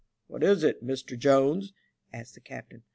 '* What is it, Mr. Jones ?" asked the captain.